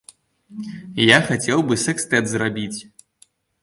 Я хацеў бы сэкстэт зрабіць.